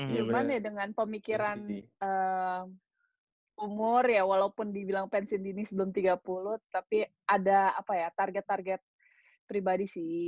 cuman ya dengan pemikiran umur ya walaupun dibilang pensiun dini sebelum tiga puluh tapi ada apa ya target target pribadi sih